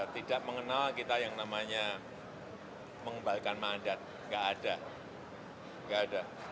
tidak mengenal kita yang namanya mengembalikan mandat nggak ada